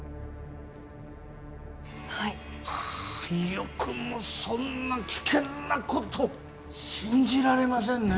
はいはあよくもそんな危険なことを信じられませんね